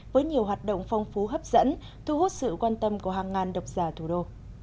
với nhiều hoạt động phong phú hấp dẫn thu hút sự quan tâm của hàng ngàn độc giả thủ đô